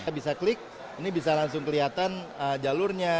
bisa klik ini bisa langsung kelihatan jalurnya